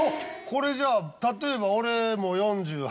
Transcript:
これじゃあ例えば。